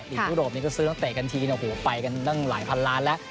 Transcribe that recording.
ยุโรปนี้ก็ซื้อนักเตะกันทีไปกันตั้งหลายพันล้านแล้ว